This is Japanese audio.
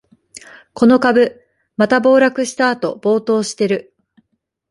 この株、また暴落したあと暴騰してる